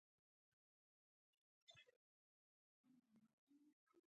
تر لاسه کېږي چې موږ یې مصرفوو